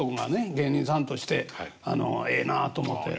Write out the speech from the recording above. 芸人さんとしてええなあと思って。